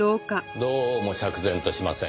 どうも釈然としません。